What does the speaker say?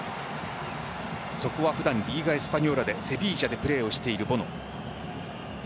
そこはリーガエスパニョーラでセヴィージャでプレーをしているボノ。